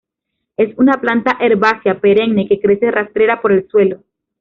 Es una planta herbácea perenne que crece rastrera por el suelo.